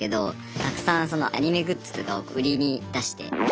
たくさんそのアニメグッズとかを売りに出して。